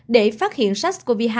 để phát hiện sars cov hai